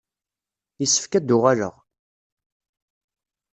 Yessefk ad d-uɣaleɣ.